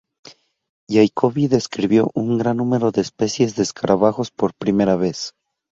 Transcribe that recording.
Jacoby describió un gran número de especies de escarabajos por primera vez.